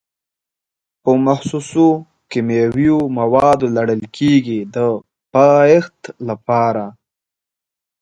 پر مخصوصو کیمیاوي موادو لړل کېږي د پایښت لپاره.